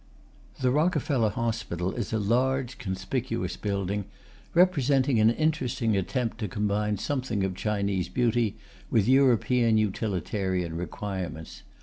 The Rockefeller Hospital is a large, conspicuous building, representing an interesting attempt to combine something of Chinese beauty with European utilitarian requirements.